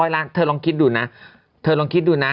๑๕๐๐ล้านถ้อลองคิดดูนะ